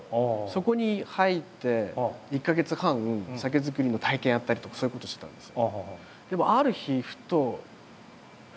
そこに入って１か月半酒造りの体験やったりとかそういうことしてたんです。